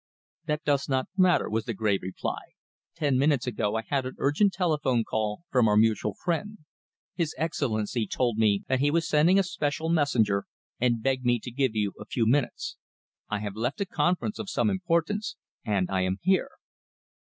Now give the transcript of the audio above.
"That does not matter," was the grave reply. "Ten minutes ago I had an urgent telephone call from our mutual friend. His Excellency told me that he was sending a special messenger, and begged me to give you a few minutes. I have left a conference of some importance, and I am here."